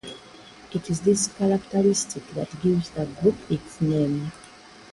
It is this characteristic that gives the group its name.